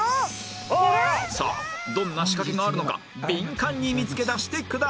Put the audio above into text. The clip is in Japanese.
さあどんな仕掛けがあるのかビンカンに見つけ出してください